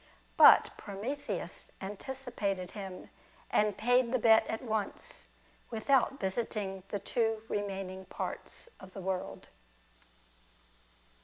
But Prometheus anticipated him, and paid the bet at once, without visit ing the two remaining parts of the world.